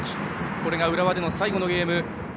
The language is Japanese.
これが浦和での最後のゲーム。